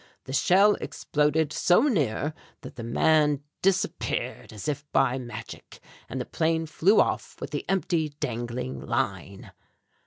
The shell exploded so near that the man disappeared as by magic, and the plane flew off with the empty dangling line."